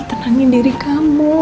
tenangin diri kamu